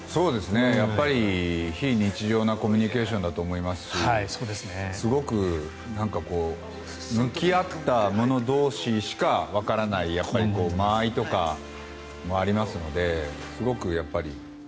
やっぱり非日常なコミュニケーションだと思いますしすごく、向き合った者同士しかわからない間合いとかもありますのですごく。